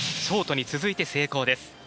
ショートに続いて成功です。